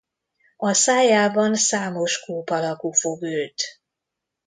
A szájában számos kúp alakú fog ült.